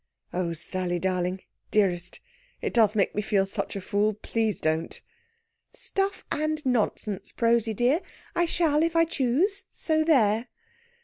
"Oh, Sally darling, dearest, it does make me feel such a fool. Please don't!" "Stuff and nonsense, Prosy dear! I shall, if I choose. So there!...